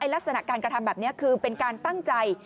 ลักษณะการกระทำแบบนี้คือเป็นการตั้งใจ